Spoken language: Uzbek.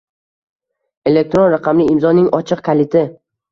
elektron raqamli imzoning ochiq kaliti;